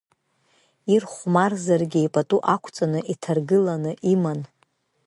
Ирхәмарзаргьы пату ақәҵаны, иҭаргыланы иман.